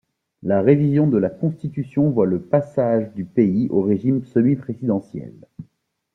La révision de la constitution voit le passage du pays au régime semi-présidentiel.